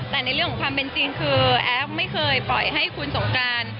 แต่ในเรื่องของความเป็นจริงคือแอฟไม่เคยปล่อยให้คุณสงกราน